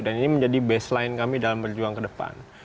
ini menjadi baseline kami dalam berjuang ke depan